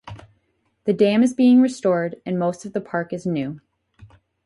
The dam is being restored, and most of the park is new.